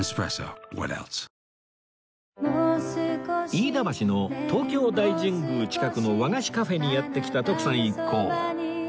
飯田橋の東京大神宮近くの和菓子カフェにやって来た徳さん一行